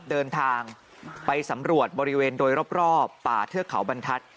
เดินทางไปสำรวจบริเวณโดยรอบป่าเทือกเขาบรรทัศน์